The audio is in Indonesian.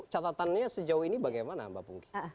catatannya sejauh ini bagaimana mbak pungki